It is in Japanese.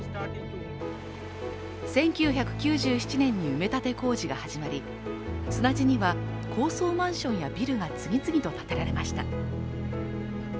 １９９７年に埋立工事が始まり、砂地には高層マンションがビルが次々と建てられました。